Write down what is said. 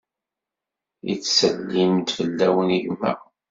Yettsellim-d fell-awent gma.